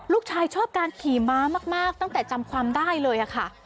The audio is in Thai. ลูกชายชอบการขี่ม้ามากตั้งแต่จำความได้เลยค่ะ